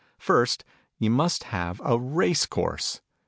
First, you must have a racecourse.